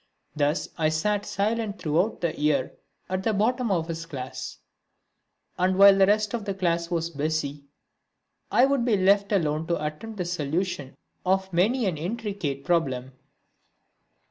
Thus I sat silent throughout the year at the bottom of his class, and while the rest of the class was busy I would be left alone to attempt the solution of many an intricate problem.